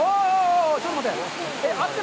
ちょっと待って。